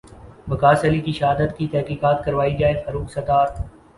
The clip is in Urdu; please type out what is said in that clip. وقاص علی کی شہادت کی تحقیقات کروائی جائے فاروق ستار